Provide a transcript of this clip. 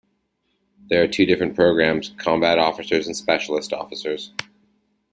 There are two different programs, combat officers and specialist officers.